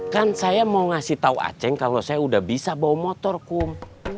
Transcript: kan saya mau ngasih tahu aceh kalau saya udah bisa bawa motor kum